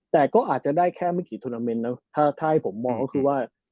แต่ก็อาจจะได้แค่ไม่กี่โทรนาเมนต์นะถ้าให้ผมมองก็คือว่า